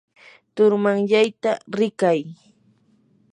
turmanyayta rikay.